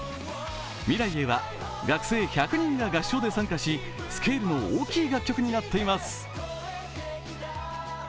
「未来へ」は、学生１０００人が合唱で参加し、スケールの大きい楽曲になっています。